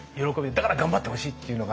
だから頑張ってほしいっていうのが。